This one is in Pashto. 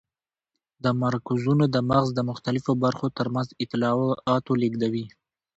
دا مرکزونه د مغز د مختلفو برخو تر منځ اطلاعات لېږدوي.